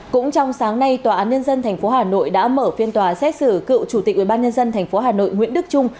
cũng trong sáng nay tòa án nhân dân tp hà nội đã mở phiên tòa xét xử cựu chủ tịch ubnd tp hà nội nguyễn đức trung